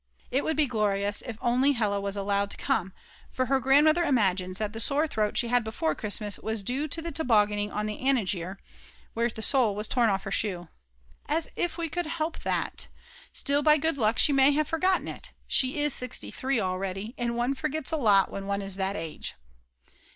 It would be glorious, if only Hella is allowed to come, for her grandmother imagines that the sore throat she had before Christmas was due to the tobogganing on the Anninger, where the sole was torn off her shoe! As if we could help that. Still, by good luck she may have forgotten it; she is 63 already, and one forgets a lot when one is that age.